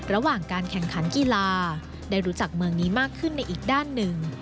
ระหว่างการแข่งขันกีฬาได้รู้จักเมืองนี้มากขึ้นในอีกด้านหนึ่ง